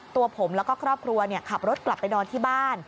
ตัวผมแล้วก็ครอบครัวขับรถกลับไปนอนที่บ้าน